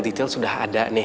detail sudah ada nih